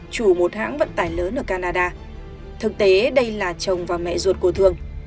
chủ một hãng vận tải lớn ở canada thực tế đây là chồng và mẹ ruột của thương